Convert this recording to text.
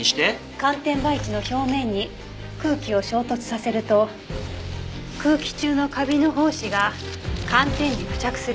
寒天培地の表面に空気を衝突させると空気中のカビの胞子が寒天に付着する。